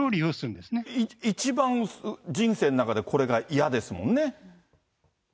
一番人生の中でこれが嫌ですもんね。